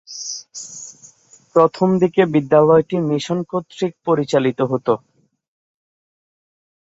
প্রথম দিকে বিদ্যালয়টি মিশন কর্তৃক পরিচালিত হত।